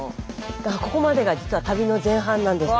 ここまでが実は旅の前半なんですが。